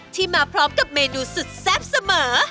มาพร้อมกับเมนูสุดแซ่บเสมอ